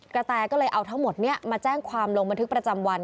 แตก็เลยเอาทั้งหมดนี้มาแจ้งความลงบันทึกประจำวัน